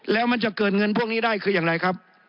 แล้วมันจะเกิดเงินพวกนี้ได้คืออย่างไรครับ